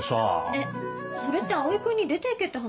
えっそれって蒼君に出ていけって話？